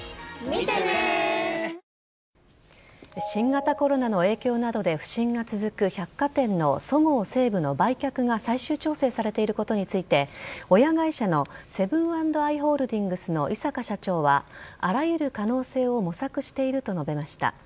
新型コロナの影響などで不振が続く百貨店のそごう・西武の売却が、最終調整されていることについて、親会社のセブン＆アイ・ホールディングスの井阪社長は、あらゆる可能性を模索していると述べました。